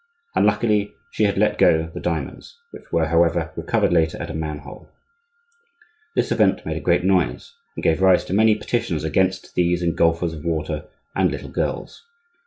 Unluckily, she had let go the diamonds, which were, however, recovered later at a man hole. This event made a great noise, and gave rise to many petitions against these engulfers of water and little girls.